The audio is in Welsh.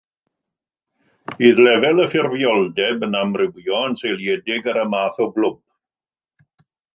Bydd lefel y ffurfioldeb yn amrywio yn seiliedig ar y math o glwb.